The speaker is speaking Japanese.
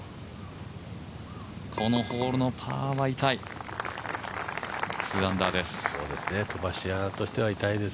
このホールのパーは痛い２アンダーです。